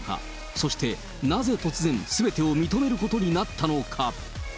そして、なぜ突然、すべてを認めることになったのか。